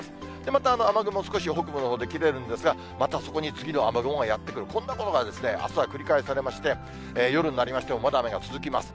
また、雨雲、少し北部のほうで切れるんですが、またそこに次の雨雲がやって来る、こんなことがあすは繰り返されまして、夜になりましても、まだ雨が続きます。